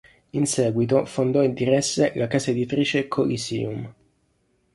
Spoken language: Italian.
In seguito, fondò e diresse la casa editrice Coliseum.